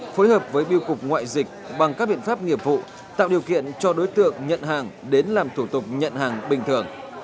phối hợp với biêu cục ngoại dịch bằng các biện pháp nghiệp vụ tạo điều kiện cho đối tượng nhận hàng đến làm thủ tục nhận hàng bình thường